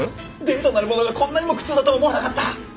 デートなるものがこんなにも苦痛だとは思わなかった。